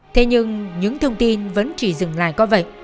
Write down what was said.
thế nhưng những thông tin vẫn chỉ dừng lại có vậy